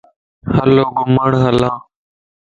ھلو گھمڻ ھلا